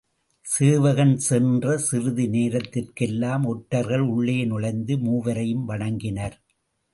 சேவகன் சென்ற சிறிது நேரத்திற்கெல்லாம் ஒற்றர்கள் உள்ளே நுழைந்து மூவரையும் வணங்கினர்.